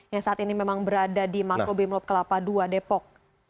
yang saat ini memang berada di maklo bimlop kelapa dua depok